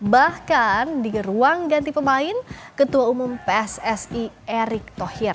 bahkan di ruang ganti pemain ketua umum pssi erick thohir